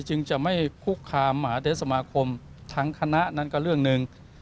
จึงจะไม่คุกคามหมาเทศสมาคมทั้งคณะนั้นก็เรื่องหนึ่ง